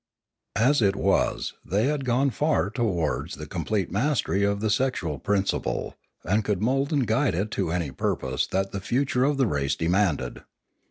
As it was, they had gone far towards the complete mastery of the sexual principle, and could mould and guide it to any purpose that the future of the race de manded.